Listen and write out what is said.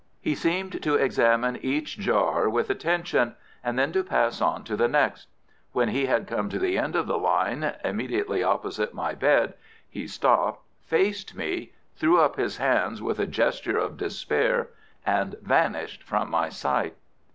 He seemed to examine each jar with attention, and then to pass on to the next. When he had come to the end of the line, immediately opposite my bed, he stopped, faced me, threw up his hands with a gesture of despair, and vanished from my sight.